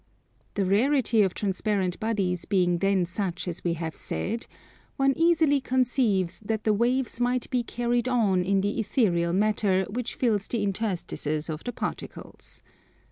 The rarity of transparent bodies being then such as we have said, one easily conceives that the waves might be carried on in the ethereal matter which fills the interstices of the particles.